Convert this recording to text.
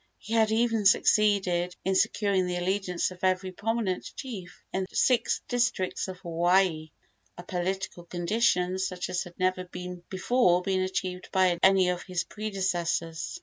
He had even succeeded in securing the allegiance of every prominent chief in the six districts of Hawaii a political condition such as had never before been achieved by any of his predecessors.